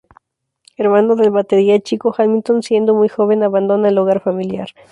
Hermano del batería Chico Hamilton, siendo muy joven abandona el hogar familiar.